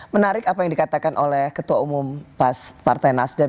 menarik apa yang dikatakan oleh ketua umum partai nasdem